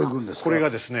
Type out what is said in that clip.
これがですね